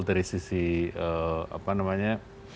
dari sisi apa namanya